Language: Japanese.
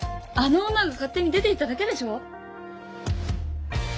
あの女が勝手に出ていっただけでしょ